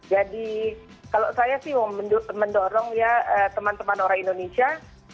jadi kalau saya sih mendorong ya teman teman orang indonesia